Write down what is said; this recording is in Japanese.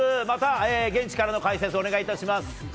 また現地からの解説をお願いします。